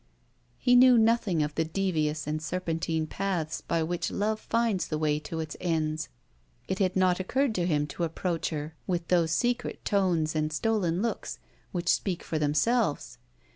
He knew nothing of the devious and serpentine paths by which love finds the way to its ends. It had not occurred to him to approach her with those secret tones and stolen looks which speak for themselves.